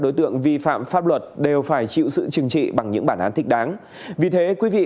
đối tượng vi phạm pháp luật đều phải chịu sự chừng trị bằng những bản án thích đáng vì thế quý vị